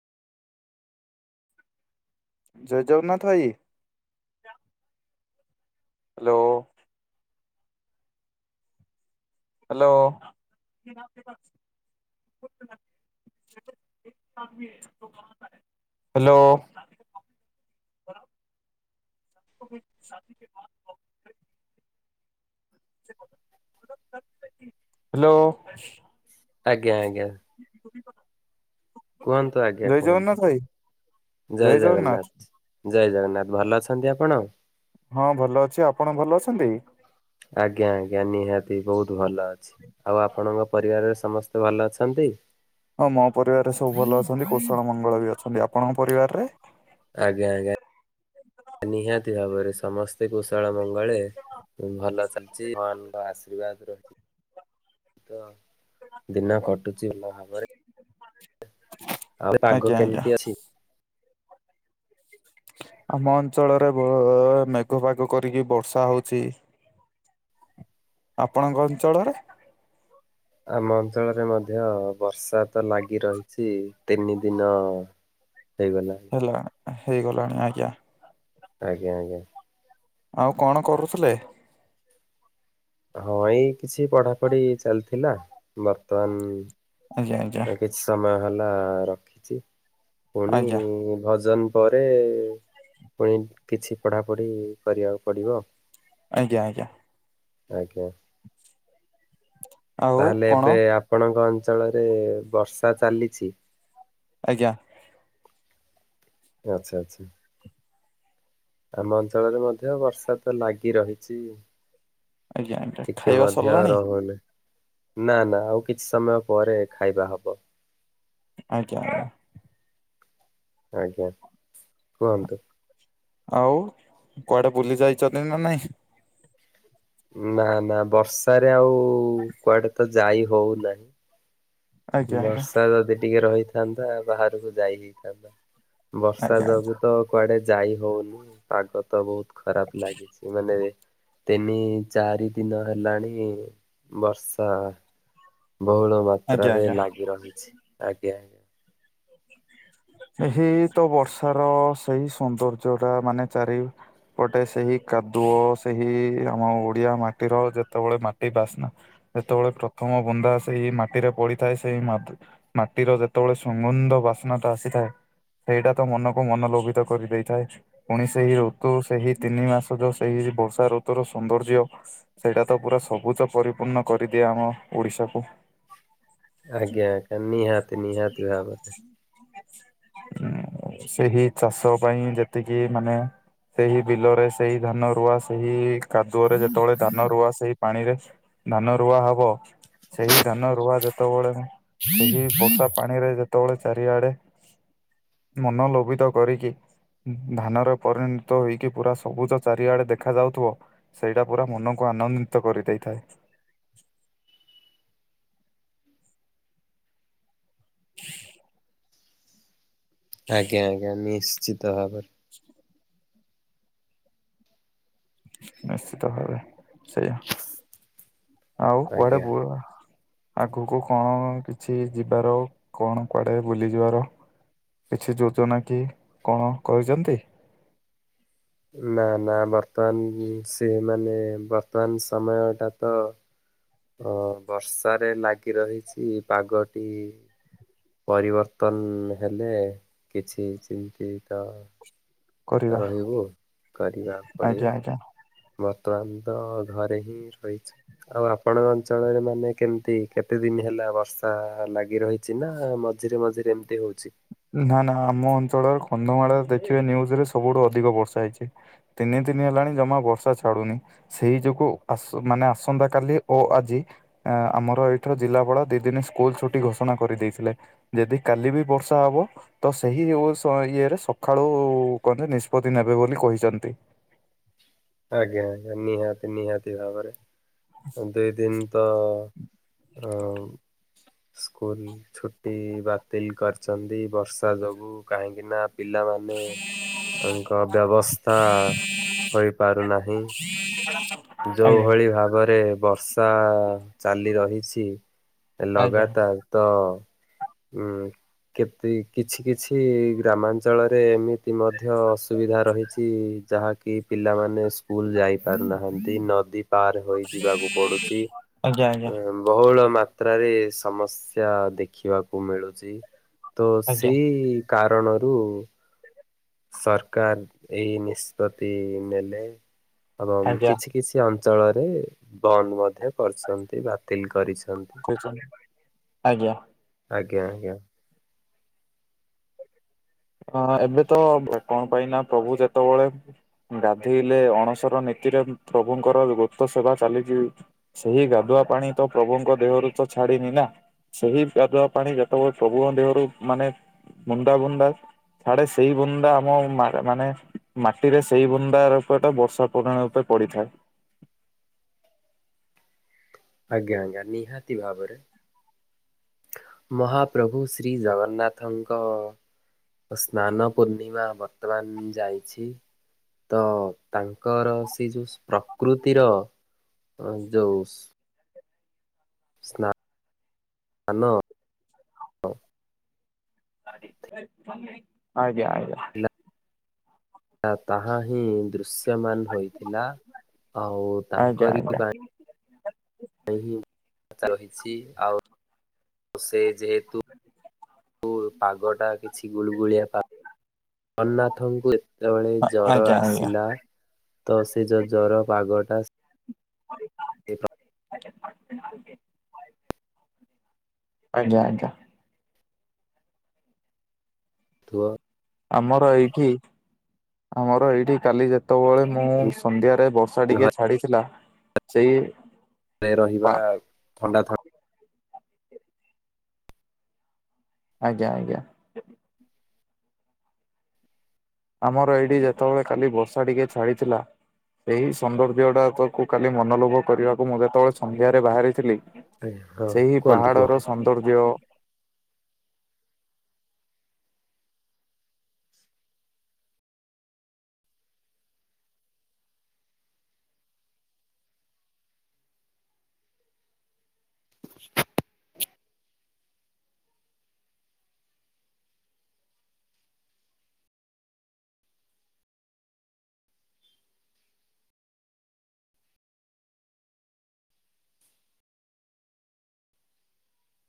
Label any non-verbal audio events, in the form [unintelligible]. ଜୟ ଜଗନ୍ନାଥ ଭାଇ। Hello! Hello! Hello! [inaudible] Hello! ଆଜ୍ଞା, ଆଜ୍ଞା। କୁହନ୍ତୁ, ଆଜ୍ଞା ଜୟ କୁହନ୍ତୁ। ଜଗନ୍ନାଥ ଭାଇ ଜୟ ଜଗନ୍ନାଥ! ଜୟ ଜଗନ୍ନାଥ! ଭଲ ଅଛନ୍ତି ଆପଣ? ହଁ, ଭଲ ଅଛି। ଆପଣ ଭଲ ଅଛନ୍ତି? ଆଜ୍ଞା, ଆଜ୍ଞା, ନିହାତି ବହୁତ ଭଲ ଅଛି। ଆଉ ଆପଣଙ୍କ ପରିବାରରେ ସମସ୍ତେ ଭଲ ଅଛନ୍ତି? ହଁ, ମୋ ପରିବାରରେ ସବୁ ଭଲ ଅଛନ୍ତି। କୋଷଳ ମଙ୍ଗଳ ବି ଅଛନ୍ତି। ଆପଣଙ୍କ ପରିବାରରେ? ଆଜ୍ଞା ଆଜ୍ଞା ନିହାତି ଭାବରେ ସମସ୍ତେ କୁଶଳ ମଙ୍ଗଳେ ଭଲ ଚାଲିଛି। ଭଗବାନଙ୍କ ଆଶୀର୍ବାଦ ରହିଛି। ତ ଦିନ କଟୁଛି ଭଲ ଭାବରେ। [inaudible] ଆଉ ପାଗ ଆଜ୍ଞା ଆଜ୍ଞା କେମିତି ଅଛି? ଆମ ଅଞ୍ଚଳରେ ମେଘ ପାଗ କରିକି ବର୍ଷା ହଉଛି। ଆପଣଙ୍କ ଅଞ୍ଚଳରେ? ଆମ ଅଞ୍ଚଳରେ ମଧ୍ୟ ବର୍ଷା ତ ଲାଗି ରହିଛି ତିନି ଦିନ [inaudible] ହେଇଗଲାଣି। ହେଲାଣି ହେଇଗଲାଣି ଆଜ୍ଞା। ଆଜ୍ଞା ଆଜ୍ଞା। ଆଉ କଣ କରୁଥିଲେ? ହଁ ଏଇ କିଛି ପଢାପଢି ଚାଲିଥିଲା ବର୍ତ୍ତମାନ। ଆଜ୍ଞା ଆଜ୍ଞା କିଛି ସମୟ ହେଲା ରଖିଛି ପୁଣି ଆଜ୍ଞା ଭଜନ ପରେ ପୁଣି କିଛି ପଢ଼ାପଢ଼ି କରିବାକୁ ପଡ଼ିବ। ଆଜ୍ଞା ଆଜ୍ଞା। ଆଜ୍ଞା। [inaudible] ତାହେଲେ କଣ ଏବେ ଆପଣଙ୍କ ଅଞ୍ଚଳରେ ବର୍ଷା ଚାଲିଛି। ଆଜ୍ଞା। ଆଚ୍ଛା ଆଚ୍ଛା। ଆମ ଅଞ୍ଚଳରେ ମଧ୍ୟ ବର୍ଷା ତ ଲାଗି ରହିଛି ଆଜ୍ଞା ଆଜ୍ଞା ଟିକେ ଖାଇବା ମଧ୍ୟ ସରିଲାଣି ରହୁନି। ନା ନା ଆଉ କିଛି ସମୟ ପରେ ଖାଇବା ହବ। ଆଜ୍ଞା। ଆଜ୍ଞା କୁହନ୍ତୁ। ଆଉ କୁଆଡେ ବୁଲି ଯାଇଛନ୍ତି ନା ନାଇଁ? ନା ନା ବର୍ଷାରେ ଆଉ କୁଆଡେ ତ ଯାଇ ହଉନାହିଁ। ଆଜ୍ଞା ଆଜ୍ଞା ବର୍ଷା ଯଦି ଟିକେ ରହିଥାନ୍ତା ବାହାରକୁ ଯାଇ ହେଇଥାନ୍ତା। ବର୍ଷା ଆଜ୍ଞା ଆଜ୍ଞା ଯୋଗୁ ତ କୁଆଡେ ଯାଇ ହଉନି ପାଗ ତ ବହୁତ ଖରାପ ଲାଗିଛି ମାନେ ତିନି ଚାରି ଦିନ ହେଲାଣି ବର୍ଷା ବହୁଳ ଆଜ୍ଞା ମାତ୍ରରେ ଆଜ୍ଞା। ଲାଗି ରହିଛି ଆଜ୍ଞା। ଏହି ତ ବର୍ଷାର ସେଇ ସୌନ୍ଦର୍ଯ୍ୟ ଟା ମାନେ ଚାରି ପଟେ ସେହି କାଦୁଅ ସେହି ଆମ ଓଡିଆ ମାଟିର ଯେତେବେଳେ ମାଟି ବାସ୍ନା ଯେତେବେଳେ ପ୍ରଥମ ବୁନ୍ଦା ସେଇ ମାଟିରେ ପଡିଥାଏ ସେଇ ମାତି ମାଟିର ଯେତେବେଳେ ସୁଗନ୍ଧ ବାସ୍ନା ଆସିଥାଏ। ସେଇଟା ତ ମନକୁ ମନଲୋଭିତ କରିଦେଇଥାଏ ପୁଣି ସେଇ ଋତୁ ସେହି ତିନି ମାସ ଯୋଉ ସେଇ ବର୍ଷା ଋତୁର ସୌନ୍ଦର୍ଯ୍ୟ ସେଇଟା ତ ପୁରା ସବୁଜ ପରିପୂର୍ଣ୍ଣ କରିଦିଏ ଆମ ଓଡିଶାକୁ। [inaudible] ଆଜ୍ଞା ନିହାତି ନିହାତି ଭାବରେ। ଉମ୍ ସେହି ଚାଷ ପାଇଁ ଯେତିକି ମାନେ ସେହି ବିଲରେ ସେଇ ଧାନ ରୁଆ ସେହି କାଦୁଅରେ ଯେତେବେଳେ ଧାନ ରୁଆ ସେଇ ପାଣିରେ ଧାନ ରୁଆ ହବ ସେହି ଧାନ ରୁଆ ଯେତେବେଳେ ସେହି ଆଜ୍ଞା ବର୍ଷା ପାଣିରେ ଯେତେବେଳେ ଚା ଏଇଆଡେ ମନଲୋଭିତ କରିକି ଉମ୍ ଧାନରେ ପରିଣତ ହେଇକି ପୁରା ସବୁଜ ଚାରିଆଡେ ଦେଖା ଯାଉଥିବ ସେଇଟା ପୁରା ମନ କ ଆନନ୍ଦିତ କରି ଦେଇଥାଏ। [inaudible] ଆଜ୍ଞା ଆଜ୍ଞା ନିଶ୍ଚିତ ଭାବରେ। ନିଶ୍ଚିତ ଭାବେ ସେଇଆ। ଆଉ କୁଆଡେ ଆଜ୍ଞା। ବୁଳ ଆଗକୁ କଣ କିଛି ଯିବାର କଣ କୁଆଡେ ବୁଲିଯିବାର। କିଛି ଯୋଜନା କି କଣ କରିଛନ୍ତି। ନା ନା ବର୍ତ୍ତମାନ ସେ ମାନେ ବର୍ତ୍ତମାନ ସମୟଟା ତ। ଅଁ ବର୍ଷାରେ ଲାଗି ରହିଛି ପାଗଟି‌। ପରିବର୍ତ୍ତନ ହେଲେ କିଛି ଚିନ୍ତିତ। କରିବା ରହିବୁ କରିବାକୁ ଆଜ୍ଞା ପଡିବ ଆଜ୍ଞା ବର୍ତ୍ତମାନ। ତ ଘରେ ହିଁ ରହିଛୁ ଆଉ ଆପଣଙ୍କ ଅଞ୍ଚଳରେ ମାନେ କେମିତି କେତେ ଦିନ ହେଲା ବର୍ଷା। ଲାଗି ରହିଛି ନା ମଝିରେ ମଝିରେ ଏମିତି ହଉଛି। ନା ନା ଆମ ଅଞ୍ଚଳରେ କନ୍ଧମାଳରେ ଦେଖିବେ ନିଉଜ ରେ ସବୁଠୁ ଅଧିକ ବର୍ଷା ହେଇଛି ତିନି ଦିନ ହେଲାଣି ଜମା ବର୍ଷା ଛାଡୁନି ସେଇ ଯୋଗୁ ଆସ ମାନେ ଆସନ୍ତା କାଲି ଓ ଆଜି। ଆ ଆମର ଏଇଠୁ ଜିଲ୍ଲାପାଳ ଦି ଦିନ ସ୍କୁଲ ଛୁଟି ଘୋଷଣା କରିଦେଇଥିଲେ ଯଦି କାଲି ବି ବର୍ଷ ର୍ଷା ହବ ତ ସେହି ଓ ହ ଇଏରେ ସକାଳୁ କଣ ଟେ ନିଷ୍ପତି ନେବେ ବୋଲି କହିଛନ୍ତି। ଆଜ୍ଞା ଆଜ୍ଞା ନିହାତି ନିହାତି ଭାବରେ ଦୁଇ ଦିନ ତ। ଆମ ସ୍କୁଲ ଛୁଟି ବାତିଲ କରିଛନ୍ତି ବର୍ଷା ଯୋଗୁ କାହିଁକି ନା। ପିଲାମାନେ ତାଙ୍କ ବ୍ୟବସ୍ଥା ହୋଇପାରୁନାହିଁ। ଯୋଉ ଆଜ୍ଞା। ଭଳି ଭାବରେ ବର୍ଷା ଚାଲି ରହିଛି। ଆଜ୍ଞା ଲଗାତାର ତ ଉଁ। କେତି କିଛି କିଛି ଗ୍ରାମାଞ୍ଚଳରେ ଏମିତି ମଧ୍ୟ ଅସୁବିଧା ରହିଛି। ଯାହାକି ପିଲାମାନେ ସ୍କୁଲ ଯାଇ ପାରୁନାହା ନ୍ତି ନଦୀ ପାର ହୋଇ ଯିବାକୁ ପଡୁଛି ଆଜ୍ଞା ଆଜ୍ଞା ବହୁଳ ମା ପ୍ରାଏ ସମସ୍ୟା ଦେଖିବାକୁ ମିଳୁଛି ତ ସେଇ। କାରଣରୁ। ସରକାର ଏଇ ନିଷ୍ପତ୍ତି ନେଲେ ଏବଂ ଆଜ୍ଞା କିଛି କିଛି ଅନ ଅଞ୍ଚଳରେ ବନ୍ଦ ମଧ୍ୟ କରିଛନ୍ତି ବାତିଲ କରି କହୁଛନ୍ତି ଆଜ୍ଞା। ଆଜ୍ଞା ଆଜ୍ଞା। ଆଁ ଏବେ ତ କଣ ପାଇଁ ନା ପ୍ରଭୁ ଯେତେବେଳେ ଗାଧୋଇଲେ ଅଣସର ନି ତି ର ପ୍ରଭୁଙ୍କର ଗୋପ୍ତ ସେବା ଚାଲିଛି ସେହି ଗାଧୁଆ ପାଣି ତ ପ୍ରଭୁଙ୍କ ଦେହରୁ ତ। ଛାଡିିନି ନା ସେହି ଗାଧୁଆ ପାଣି ଯେତେବେଳେ ପ୍ରଭୁଙ୍କ ଦେହରୁ ମାନେ ବୁନ୍ଦା ବୁନ୍ଦା। ଛାଡେ ସେଇ ବୁନ୍ଦା ଆମ ମା ମାନେ ମାଟିରେ ସେଇ ବୁନ୍ଦାର ତ ଟା ବର୍ଷା ପରି ରୂପେ ପଡ଼ିଥାଏ। ଆଜ୍ଞା ଆଜ୍ଞା ନିହାତି ଭାବରେ। ମହାପ୍ରଭୁ ଶ୍ରୀ ଜଗନ୍ନାଥଙ୍କ। ସ୍ନାନ ପୂର୍ଣ୍ଣିମା ବର୍ତ୍ତମାନ ଯାଇଛି। ତ ତାଙ୍କର ସେ ଯୋଉ ପ୍ରକୃତିର। ଅ ଯୋଉ ସ୍ ସ୍ନା ସ୍ନାନ। ଆଜ୍ଞା ଆଜ୍ଞା। ଆଉ ତାହାହିଁ ଦୃଶ୍ୟ ମାନ ହୋଇଥିଲା ଆଉ ଆଜ୍ଞା ତାଙ୍କରି ଆଜ୍ଞା ପାଇଁ ହଁ ରହିଛି ଆଉ ସେ ଯେହେତୁ। ପାଗଟା କିଛି ଗୁଳୁଗୁଳିଆ ପା ଜଗନ୍ନାଥଙ୍କୁ ଯେତେବେଳେ ଜର ଆଜ୍ଞା ଆଜ୍ଞା ଆସିଲା। ତ ସେ ଯୋଉ ଜର ପାଗଟା। [unintelligible] [unintelligible] ଆଜ୍ଞା ଆଜ୍ଞା। ଥୁଅ। ଆମର ଏଇଠି ଆମର ଏଇଠି କାଲି ଯେତ ଯେତେବେଳେ ମୁଁ ଘରେ ସନ୍ଧ୍ୟାରେ ବର୍ଷା ଟିକେ ଛାଡିଥିଲା ସେଇ ରେ ରହିବା ପା ଥଣ୍ଡା ଥ ଆଜ୍ଞା ଆଜ୍ଞା। ଆମର ଏଇଠି ଯେତେବେଳେ କାଲି ବର୍ଷା ଟିକେ ଛାଡିଥିଲା। ସେଇ ସୌନ୍ଦର୍ଯ୍ୟ ଟାକୁ କାଲି ମନୋଲୋଭ କରିବାକୁ ମୁଁ ଯେତେବେଳେ ସନ୍ଧ୍ୟାରେ ବାହାରିଥିଲି। ଥଣ୍ଡା ହଁ ସେହି କୁହନ୍ତୁ କୁହନ୍ତୁ। ପାହାଡର ସୌନ୍ଦର୍ଯ୍ୟ [inaudible]